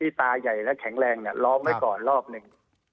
เราก็เลยเอาอวนผืนใหญ่ที่ตาใหญ่และแข็งแรงล้อมไว้ก่อนรอบหนึ่ง